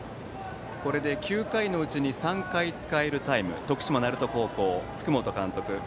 これで９回のうちに３回使えるタイム徳島・鳴門高校、福本監督